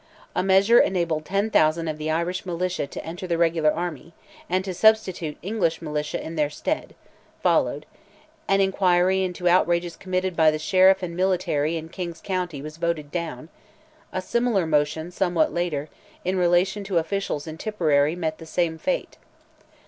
A measure to enable 10,000 of the Irish militia to enter the regular army, and to substitute English militia in their stead, followed; an inquiry into outrages committed by the sheriff and military in King's county, was voted down; a similar motion somewhat later, in relation to officials in Tipperary met the same fate.